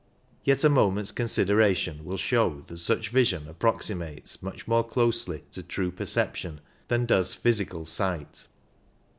Yet a moment's consideration will show that such vision ap proximates much more closely to true perception than does physical sight.